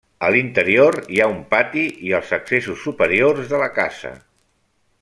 A l'interior hi ha un pati i els accessos superiors de la casa.